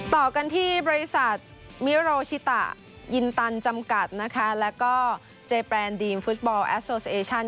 ต่อกันที่บริษัทมิโรชิตายินตันจำกัดนะคะแล้วก็เจแปรนดีมฟุตบอลแอสโซเซเอชั่น